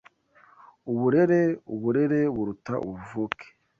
Uburere Uburere buruta ubuvuke